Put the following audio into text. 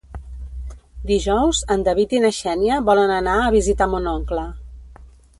Dijous en David i na Xènia volen anar a visitar mon oncle.